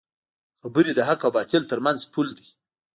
خبرې د حق او باطل ترمنځ پول دی